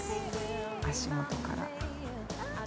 ◆足元から。